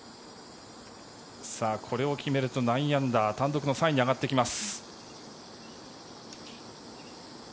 これを決めると９アンダー単独の３位に上がってきます。